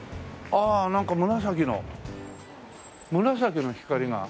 ああなんか紫の紫の光が。